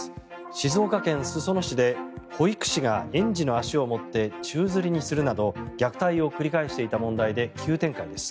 静岡県裾野市で保育士が園児の足を持って宙づりにするなど虐待を繰り返していた問題で急展開です。